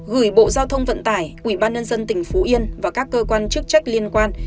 gửi bộ giao thông vận tải quỹ ban nhân dân tp hcm và các cơ quan chức trách liên quan